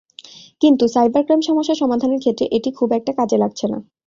কিন্তু cyber crime সমস্যা সমাধানের ক্ষেত্রে এটি খুব একটা কাজে লাগছে না।